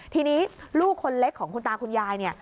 ทีนี้ลูกคนเล็กของคุณตาคุณยายเนี่ย